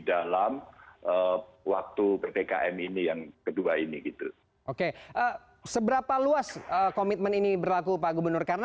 dalam waktu ppkm ini yang kedua ini gitu oke seberapa luas komitmen ini berlaku pak gubernur karena